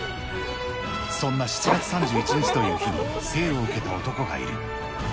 そんな７月３１日という日に生を受けた男がいる。